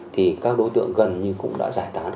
thì các đối tượng gần như cũng đã giải tạo ra